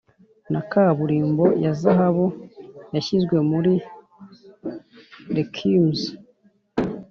na kaburimbo ya zahabu yashyizwe muri requiems,